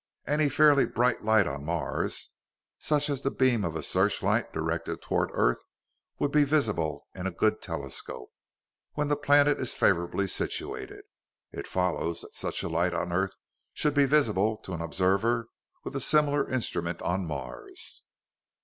Any fairly bright light on Mars such as the beam of a searchlight directed toward earth would be visible in a good telescope, when the planet is favorably situated: it follows that such a light on earth should be visible to an observer with a similar instrument on Mars.